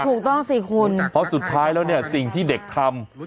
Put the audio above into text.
ถูกต้องสิคุณเพราะสุดท้ายแล้วเนี่ยสิ่งที่เด็กทำ